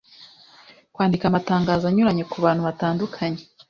Kwandika amatangazo anyuranye kubantu batandukanye